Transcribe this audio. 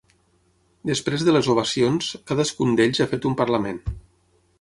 Després de les ovacions, cadascun d’ells ha fet un parlament.